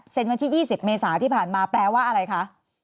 วันที่๒๐เมษาที่ผ่านมาแปลว่าอะไรคะ